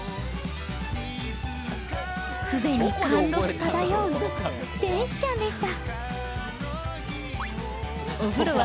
既に貫禄漂う天使ちゃんでした。